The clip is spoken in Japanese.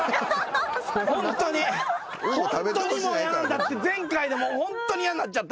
ホントにもう嫌なんだって前回でもうホントに嫌になっちゃったのマジで。